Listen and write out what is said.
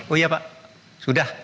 oh iya pak sudah